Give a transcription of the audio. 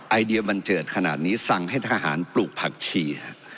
ไอเดียบันเจิดขนาดนี้สั่งให้ทหารปลูกผักชี